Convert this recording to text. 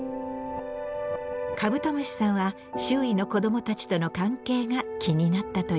カブトムシさんは周囲の子どもたちとの関係が気になったという。